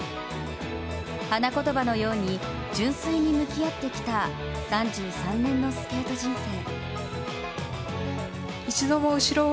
花言葉のように純粋に向き合ってきた３３年のスケート人生。